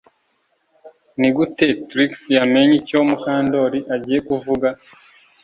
Nigute Trix yamenye icyo Mukandoli agiye kuvuga